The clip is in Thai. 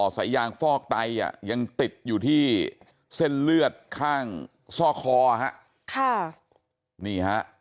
สายยางฟอกไตอ่ะยังติดอยู่ที่เส้นเลือดข้างซ่อคอฮะค่ะนี่ฮะ